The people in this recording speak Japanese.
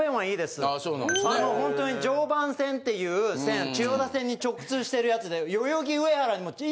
あのホントに常磐線っていう線千代田線に直通してるやつで。